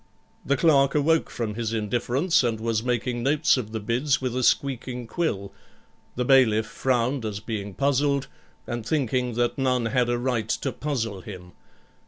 The clerk awoke from his indifference, and was making notes of the bids with a squeaking quill, the bailiff frowned as being puzzled, and thinking that none had a right to puzzle him.